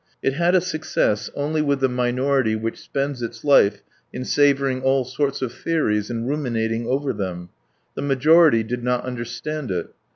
It had a success only with the minority which spends its life in savouring all sorts of theories and ruminating over them; the majority did not understand it.